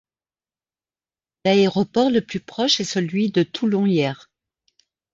L'aéroport le plus proche est celui de Toulon-Hyères.